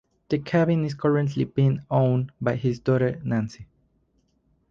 The cabin is currently being owned by his daughter Nancy.